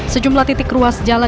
sejumlah titik ruas jalan